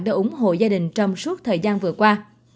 đã ủng hộ gia đình trong suốt thời gian vừa qua